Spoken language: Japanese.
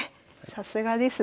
さすがですね。